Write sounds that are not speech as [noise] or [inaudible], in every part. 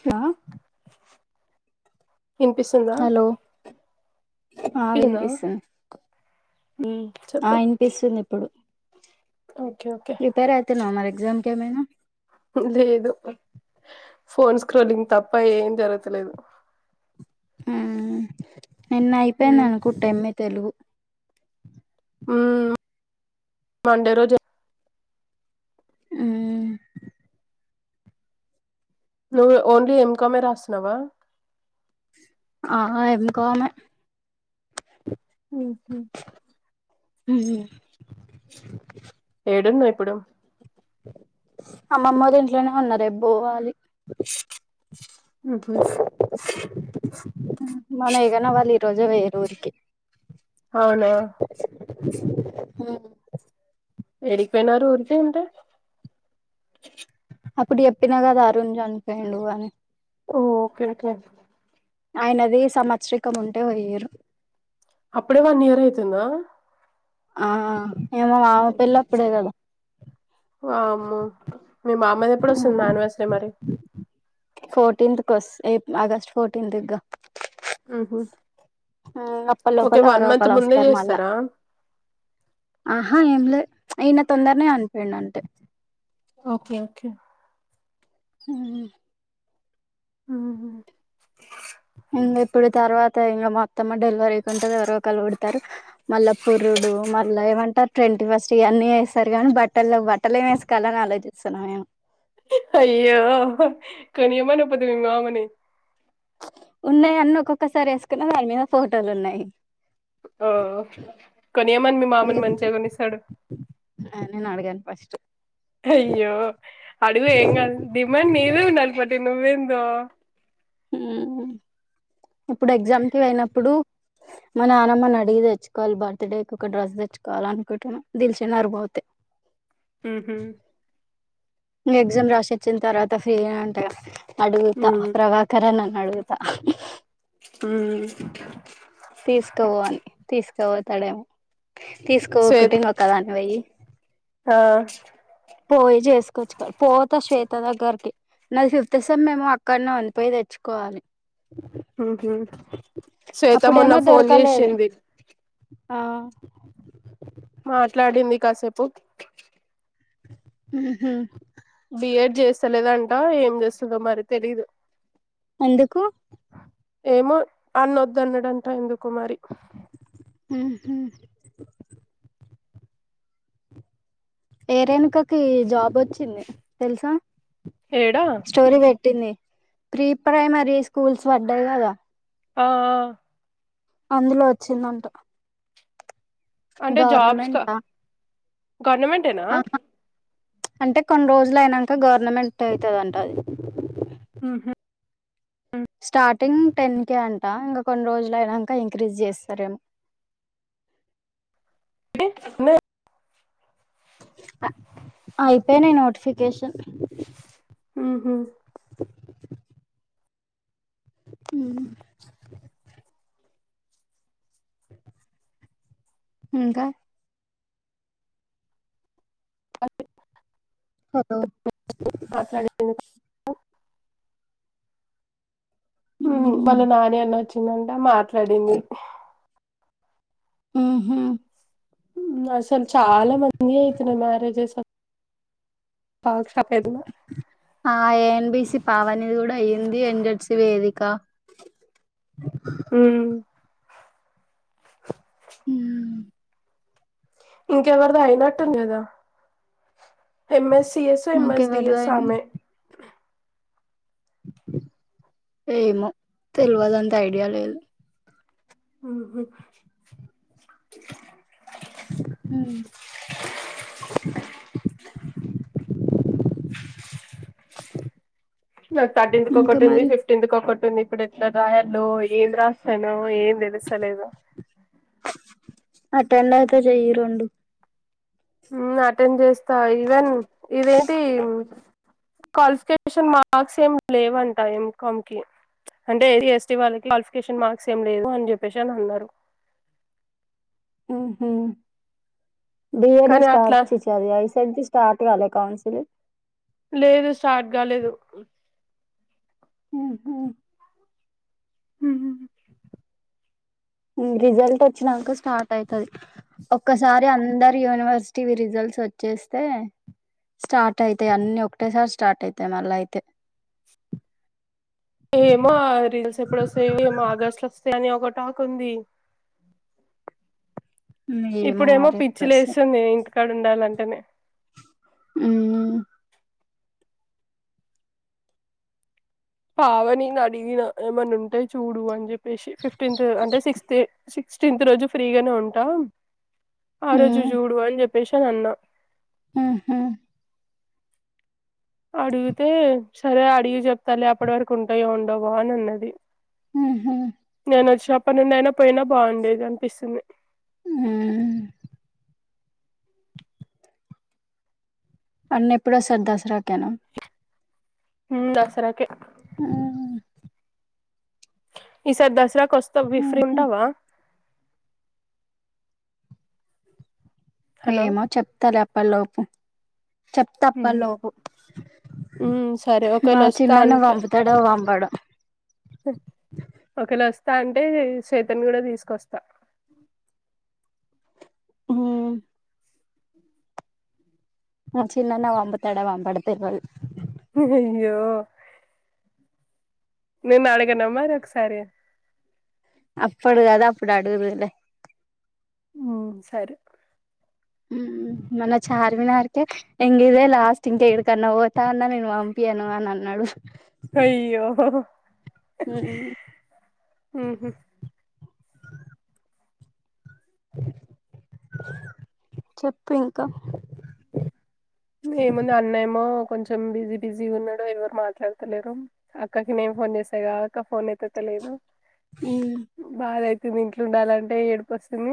క్యా ఇన్పిస్తుందా హలో ఆ ఇదెనా వినిపిస్తుంది ఊ ఆ ఇన్పిస్తుంది ఇప్పుడు ఓకే ఓకే ప్రిపేర్ అయితున్నవా మరి ఎగ్జామ్కేమైనా హున్ లేదు ఫోన్ స్క్రోలింగ్ తప్ప ఏం జరగతలేదు ఊ ఉమ్ నిన్నైపేందనుకుంటా ఎం ఏ తెలుగు ఊ మండే రోజె హూ నువ్వు ఓండ్లీ ఎంకామే రాస్తున్నవా ఆహ ఎంకామే ఉహు ఉహూ ఏడున్నావ్ ఇప్పుడు అమ్మమ్మ దింట్లోనే ఉన్నా రేబ్బోవాలి ఉహు. మన ఏగన వాళ్ళు ఈ రోజే వొయ్యిర్రు ఊరికి హవునా మ్మ్ ఎడిక్ పొయ్నారు ఊరికి అంటే అప్పుడు జెప్పినా గదా అరుణ్ జన్పేయిండు అని ఓ ఒకే ఒకే ఆయనది సమచ్చరికం ఉంటే వొయ్యిర్రు అప్పుడే వన్ ఇయర్ అయితుందా ఆ ఆమ పెళ్ళప్పుడే గదా వామ్మొ మీ మామయ్య దెప్పుడొస్తుంది మ్యాన్వస్రీ మరి ఫోర్టీన్త్ కొస్ ఏ ఆగస్ట్ ఫోర్టీన్త్ దిగ్గా ఊహు ఆ అప్పల్లోపల ఎవరో ముందే ఒకళ్ళొస్తార్ మళ్ళా చేస్తారా ఆహా ఏం లే ఈయన తొందర్నే అన్పెయిండంతే ఓకే ఓకే అహహా ఆహా ఇంగ ఇప్పుడు తర్వాత ఇంగ మా అత్తమ్మ డెల్వరీ కుంటదొ ఎవరో ఒకళ్ళు బుడుతారు మళ్ళా పురుడు మళ్ళా ఏమంటారు ట్వంటీ ఫస్ట్ ఇయన్నీ ఏస్తరు గానీ బట్టల్ లెవ్ బట్టలేమ్ ఏస్కోల్ల అన్ ఆలోచి సన్నాయా అయ్యో కొనీయమన్ పొతివి మి మామని ఉన్నాయి అన్ని ఒక్కొక్కసారి ఏసుకున్న వాటి మీద ఫోటోలు ఉన్నాయ్. ఓహ్ కొనియమని మీ ఇంగ మామని మంచిగా కొనిస్తాడు. ఆ నేనడగను ఫస్టు అయ్యో అడుగు ఏంగాదు డిమాండ్ నీది ఉండల్ పోటీ నువ్వేందో ఉహ్ ఇప్పుడు ఎగ్జామ్ కి ఓయినప్పుడు మా నానమ్మని అడిగి దెచ్చుకోవాలి బర్త్డేకి ఒక డ్రస్ దెచ్చుకోలనుకుంటున్న దిల్శునర్ బోతే ఉహుహ్ నువ్ ఎగ్జామ్ రాసచ్చిన తర్వాత ఫ్రీనే అంటగా ఉ అడుగుతా ప్రభాకర్ అన్నని అడుగుతా ఉహ్మ్ తీస్కావో అని తీస్కవోతడేమో తీస్కవోకుంటే శ్వేత్ ఒక్కదాన్నివొయి ఆ పోయి జేస్కోవచ్చుగా పోతా శ్వేత దగ్గర్కి నాది ఫిఫ్త్ సెమ్మ్ మేమో అక్కడ్నే పోయి దెచ్చుకోవాలి. ఉహ్ శ్వేత మొన్న ఫోన్ దొరకలేదు జేశింది. ఆ మాట్లాడింది కాసేపు ఉహుహ్ బిఎడ్ జేస్తలేదంటా ఏం జేస్తుందో మరి తెలీదు ఎందుకు ఏమో అన్న ఒద్దన్నడంటా ఎందుకో మరి ఉహుహ్ ఏ రేణుకకి జాబొచ్చింది తెల్సా ఏడా స్టోరీ వెట్టింది ప్రీ ప్రైమరీ స్కూల్స్ వడ్డయి గదా. ఆ ఆ అందులో వచ్చిందంట అంటే జాబ్స్ కా గవర్నమెంటా గవర్నమెంటేనా అంటే కొన్ని రోజులైనంకా గవర్నమెంట్ అయితదంట అది. ఉహుహ్ స్టార్టింగ్ టెన్ కేే అంటా ఇంకా కొన్ని రోజులైనంక ఇంక్రీజ్ జేస్తారేమో డే మూ అయితే నీ నోటిఫికేషన్ ఉహుహ్ ఉహుహ్ ఇంకా హలో మాట్లాడుందా ఉమ్ వాళ్ళ నాని అన్న ఒచ్చిండంట మాట్లాడింది ఉహుహ్ ఉమ్ అసల్ చాలా మందియ్ ఐతున్నయ్ మ్యారేజెస్ పాక్ షాప్ ఏడుంది ఆ ఏఎన్బిసి పావనిది గూడా అయ్యింది ఎన్జెడ్సి వేదిక ఉమ్ ఇంకెవరిదో అయినట్టుంది గదా ఎమ్ఎస్సిఎస్సొ ఇంకెవరిది ఎంఎస్డిఎస్సొ అయింది ఆమె ఏమో తెలువదు అంత ఐడియా లేదు ఉహు హ్మ్ నాక్ ఇంకా థటీన్త్కొకటి ఉంది మరి ఫిఫ్త్ ఫ్టింత్కొకటి ఉంది ఇప్పుడు ఎట్ల రాయాలో ఏం రాస్తనో ఏం తెలుస్తలేదు అటెంప్ట్ అయితే చెయ్యి రొండు ఉమ్ అటెంప్ట్ చేస్తా ఈవెన్ ఇదేంటి క్వాలిఫికేషన్ మార్క్స్ ఏం లేవంట ఎంకామ్ కి అంటే ఎస్టీ వాళ్ళకి క్వాలిఫికేషన్ మార్క్స్ ఏం లేదు అని చెప్పేసి అని అన్నరు ఉహు బిఎడి కానీ స్టార్ట్ అట్లా చేసి అది ఐసెట్ ది స్టార్ట్ గాలే కౌన్సిల్ లేదు స్టార్ట్ గాలేేదు ఉహు హ్మ్ రిజల్ట్ వొచ్చినాక స్టార్ట్ అయితది ఒక్కసారి అందరి యూనివర్సిటీవి రిజల్ట్స్ వొచ్చేస్తే స్టార్ట్ అయితయి అన్ని ఒకటేసారి స్టార్ట్ అయితయి మళ్ల అయితే ఏమో ఆ రిజల్ట్స్ ఎప్పుడొస్తయో ఏమో ఆగస్ట్ల వొస్తయి అని ఒక టాక్ ఉంది ఏమో ఇప్పుడేమో మరి పిచ్చి ఎప్పుడొస్తాయో లేస్తుంది ఇంటికాడ ఉండాలంటేనే ఉమ్ పావనిని అడిగిన ఏమన్న ఉంటే చూడు అని చెప్పేసి ఫిఫ్టీన్త్ అంటే సిక్స్త సిక్స్టీన్త్ రోజు ఫ్రీగానే ఉంటా ఆ రోజు ఉమ్ జూడు అని చెప్పేసి అని అన్న ఆహా అడుగుతే సరే అడిగి చెప్తాలే అప్పటి వరకు ఉంటయో ఉండవొ అని అన్నది ఉహు నేను వొచ్చినప్పటి నుండి అయినా పోయినా బాగుండేది అనిపిస్తుంది ఉమ్ అన్నేప్పుడోస్తడు దసరా కేనా ఉ దసరాకె ఉ ఈసారి దసరాకు వస్తా వి ఫ్రీ ఉహు ఉంటావా హలో ఏమో చెప్తలే అప్పటిలోపు చెప్తా ఉహు అప్పల్లోపు ఉమ్ సరే మా ఒకవేళ వస్తా చిన్న అన్న పంపుత్ తడో పంపడో ఒకేళ వొస్తా అంటే శ్వేతని గుడా తీసుకొస్తా ఉమ్ మా చిన్న అన్న వంపుతడో వంపడో తెల్వదు అయ్యయ్యో నేను అడగనా మరి ఒకసారి అప్పుడు గదా అప్పుడు అడుగుదువు లే ఆ సరే మ్ మన చార్మినార్ కె ఇంగా ఇదే లాస్ట్ ఇంకెడికన్నా పోత అన్న నేను పంపియ్యను అని అన్నడు అయ్యో మ్ మ్ హు చెప్పు ఇంకా ఎమ్ ఉంది అన్న ఏమో కొంచెం బిజీ బిజీ గా ఉన్నాడో ఎవరు మాట్లాడుతలేరో అక్కకి నేను ఫోన్ చేసేదాక అక్క ఫోన్ ఎత్తుత లేదు మ్ బాధ అయితుంది ఇంట్ల ఉండాలంటే ఏడుపోస్తుంది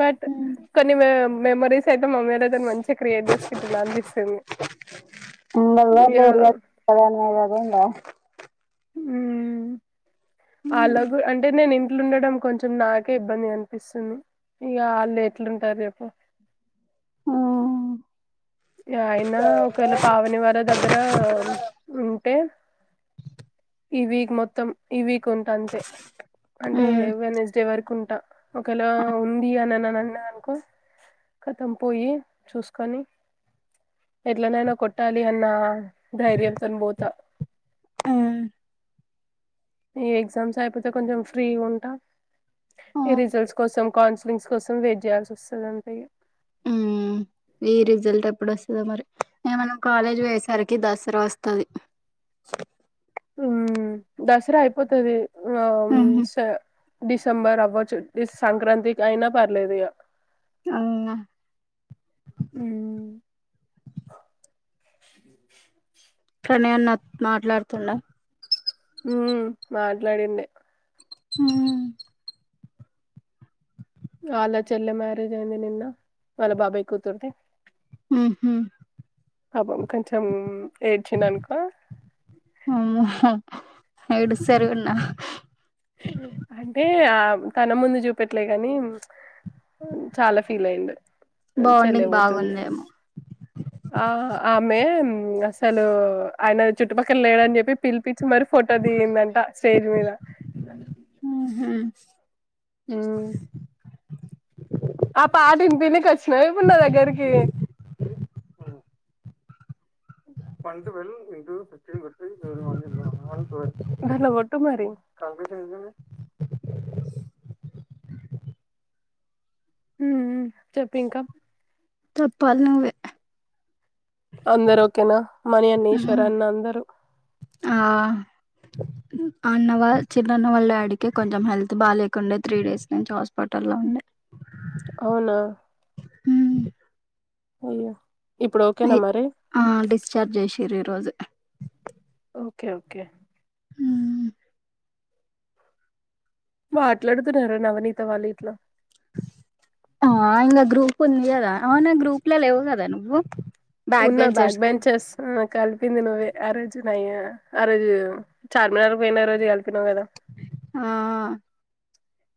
బట్ ఇంగ కొన్ని మె మెమరీస్ సైతే మెమొరేతోని మంచిగా క్రియేట్ చేసుకుంటున్న అనిపిస్తుంది ఇగ ఎవర్నా [unintelligible] మ్ వాళ్లకు అంటే నేను ఇంట్ల ఉండడం కొంచెం నాకే ఇబ్బంది గా అనిపిస్తుంది ఇగా ఆళ్ళేట్లుంటర్ చెప్పు ఆ ఇగ అయినా ఒకవేళ పావని వాళ్ళ దగ్గర ఉంటే ఈ వీక్ మొత్తం ఈ వీక్ ఉంటా అంతే అంటే వెనస్డే వరకుంటా ఒకేలా ఉంది అని అన్న ననుకో కథం పోయ్యి చూస్కొని ఎట్లనైనా కొట్టాలి అన్న ధైర్యంతోన్ బోతా ఆ ఇగ ఎగ్జామ్స్ అయిపోతే కొంచం ఫ్రీగుంట ఈ రిజల్ట్స్ కోసం కౌన్సిలింగ్స్ కోసం వేట్ జేయాల్సి ఒస్తదంతే ఇగ మ్ ఈ రిజల్ట్ ఎప్పుడొస్తదో మరి ఇగ మనం కాలేజ్ వోయేసరికి దసర వొస్తది హ్మ్ దసరా అయిపోతది ఆమ్ సే డిసెంబర్ అవ్వచ్చు డిస్ సంక్రాంతికైనా పర్లేదు ఇగ అవున్గా హ్మ్ ప్రణయ్ అన్న మాట్లాడుతుండా మ్ మాట్లాడిండే మ్ ఆళ్ల చెల్లె మ్యారేజ్ అయింది నిన్న వాళ్ళ బాబాయ్ కూతుర్ది మ్ హు పాపం కొంచం ఏడ్చ్చిండనుకో ఆమ్మో ఏడుస్తర్గుడ్నా అంటే ఆ తన ముందు జూపెట్లే గాని చాలా ఫీల్ అయ్యిండు బాండింగ్ బాగుందేమో ఆ ఆమె మ్మ్ అసలు ఆయన చుట్టుపక్కల లేడజెప్పి పిల్ పిచ్చి మరీ ఫోటో దిగిందంట స్టేజ్ మీద మ్ హు మ్ ఆ పాటిన్పియానిక్వొచ్చినవ ఇపున్నా దగ్గర్కి పంట్ వెల్ సచం కొట్టి దాంట్ల గొట్టు మరి ఊఉ చెప్పింకా చెప్పాలి నువ్వే అందర్ ఓకేనా మణి అన్న ఈశ్వర అన్న అందరూ ఆ అన్నవాల్ చిన్నన్న వాళ్ళ డాడీకే కొంచం హెల్త్ బాలేకుండే త్రీ డేస్ నుంచ్ హాస్ పటల్లో ఉండే అవునా అయ్యో ఇప్పుడు ఓకేనా మరి ఆ డిశ్చార్జ్ జేషిర్రు ఈ రోజు ఓకే ఓకే ఉమ్ మాట్లాడుతున్నారా నవనీత వాళ్ళు గిట్ల ఆ ఇంగా గ్రూప్ ఉంది గదా అవ్నే గ్రూప్ లో లెవ్ గదా నువ్వు ఉన్న బ్యాక్ బెంచెస్ ఆ కలిపింది నువ్వే ఆ రోజు నయ్యా ఆ రోజు చార్మినర్కువోయిన రోజు కలిపినవు గదా ఆ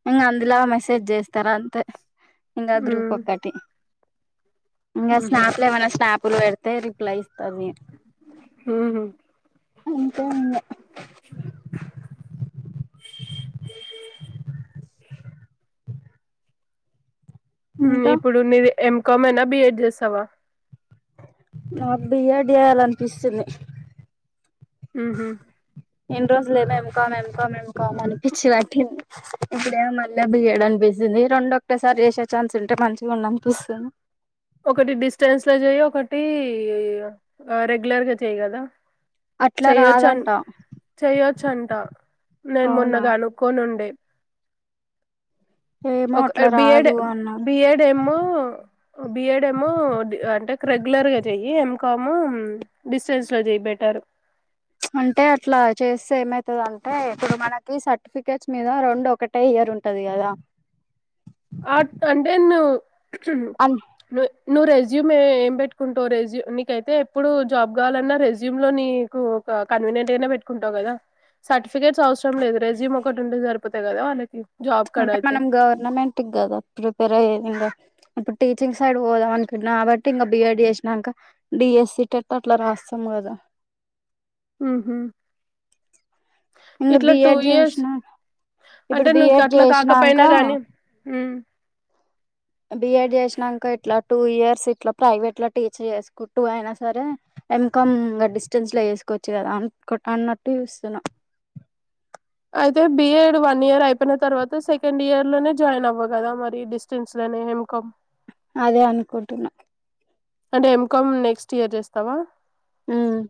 ఇంగా అందులా మెసేజ్ జేస్తార్ అంతే ఇంగ గ్రూప్ మ్మ్. ఒక్కటి ఇంగ మ్హూ. స్నాప్లేమన్నా స్నాపులు పెడితే రిప్లై ఇస్తది హుహు ఇంకేందొ టుమారో ఇంకా ఇప్పుడు మీది ఎంకామేనా బిఎడ్ చేస్సవా జాబ్ డియ్యాడ్ జెయ్యాలన్పిస్తుంది ఉహు ఇన్రోజులెమో ఎంకాం ఎంకాం ఎంకాం అనిపిచ్చివట్టింది ఇప్పుడేమో మళ్ళ బి యడ్ అన్పిసుంది రెండు ఒకేసారి చేసే ఛాన్స్ ఉంటే మంచిగుండిన్పిసుంది ఒకటి డిస్టెన్స్ లో చేయి ఒకటి రెగ్యులర్గా చెయ్ కదా అట్లా చెయొచ్చ రాదంట చెయొచ్చంట నేను అవునా మొన్నగనుక్కొనిండే ఏమో ఒక అట్లా బి యడ్ రాదు అన్నారు బి యడ్ ఏమో బి ఎడ్ ఏమో అంటే రెగ్యులర్గా చెయ్యి ఎంకాము డిస్టెన్స్ లో చేయ్ బెట్టరు అంటే అట్లా చేస్తే ఏమైతదంటే ఇప్పుడు మనకి సర్టిఫికెట్స్ మీద రెండు ఒక టై ఇయర్ ఉంటది కదా ఆర్ట్ అంటే ను అన్ ను నువ్ రెజ్యూమే ఏం పెట్టుకుంటవ్ రెస్యు నీకైతే ఎప్పుడు జాబ్ కావాలన్నా రెస్యుమ్ లో నీ కు ఒక కన్వీనియంట్ గనే పెట్టుకుంటావు కదా సర్టిఫికేట్స్ ఔస్రం లేదు రెస్యూమ్ ఒకటి ఉంటే సరిపోతై కదా ఆళ్ళకి అంటే మనం గవర్నమెంట్ కదా ప్రిపేర్ అయ్యేది ఇంకా ఇప్పుడు టీచింగ్ సైడ్ వోదాం అనుకుట్న కాబట్టి ఇంకా బిఎడ్ చేస్నంక డి ఎస్సి టెట్ అట్లా రాస్తాం కదా అహ ఇంగ ఇట్లా టూ బిఎడ్ ఇయర్స్ చేసినా ఇప్పుడు అంటే బిఎడ్ నీకట్లా చేసినాక కాకపోయినా గానీ మ్మ్ బి ఎడ్ చేస్నంక ఇట్లా టూ ఇయర్స్ ఇట్లా ప్రైవేట్ల టీచ్ చేస్కుంటూ అయినా సరే ఎం కంమ్ డిస్టెన్సల చేస్కోవచ్చు కదా అ అన్నట్టు చూస్తున్నా అయితే బి ఎడ్ వన్ ఇయర్ అయిపోయిన తర్వాత సెకండ్ ఇయర్ లోనే జాయిన్ అవ్వ గదా మరి డిస్టెన్సలనే ఎం కామ్. అదే అన్కుంటున్నా అంటే ఎం కామ్ నెక్స్ట్ ఇయర్ చేస్తావా మ్మ్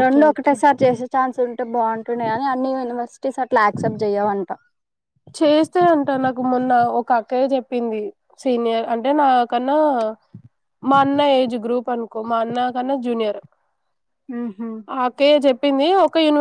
ఓకే రెండు ఓకే ఒకటేసారి చేసే ఛాన్స్ ఉంటే బాగుంటుండె గానీ అన్ని యూనివర్సిటీస్ అట్ల యాక్సెప్ట్ జెయ్యవంట చేస్తయంటా నాకు మొన్న ఒక అక్కయ్య జెప్పింది సీనియర్ అంటే నా కన్నా మా అన్న ఏజ్ గ్రూప్ అన్కో మా అన్న కన్నా జూనియర్ ఊహా మా అక్కయ్య జెప్పింది ఒక యూనివర్